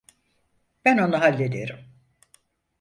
Ben onu hallederim.